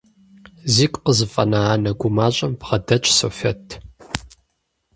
Зигу къызэфӀэна анэ гумащӀэм бгъэдэтщ Софят.